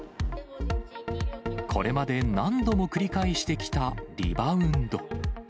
これまで何度も繰り返してきたリバウンド。